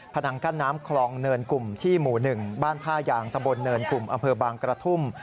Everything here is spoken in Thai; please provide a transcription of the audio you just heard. นังกั้นน้ำคลองเนินกลุ่มที่หมู่๑บ้านท่ายางตะบนเนินกลุ่มอำเภอบางกระทุ่ม